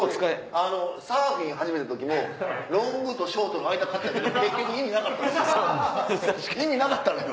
サーフィン始めた時もロングとショートの間買ったけど結局意味なかったんすよ。